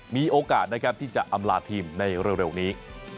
มีโอกาสที่จะอำลาดทีมในเร็วนี้